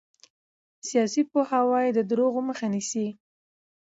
سیاسي پوهاوی د دروغو مخه نیسي